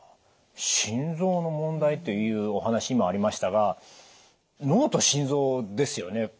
「心臓の問題」というお話にもありましたが脳と心臓ですよね。